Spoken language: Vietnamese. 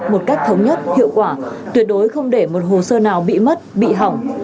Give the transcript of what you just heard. một cách thống nhất hiệu quả tuyệt đối không để một hồ sơ nào bị mất bị hỏng